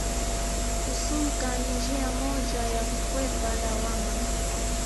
Kusumka ni njia moja ya kukwepa lawama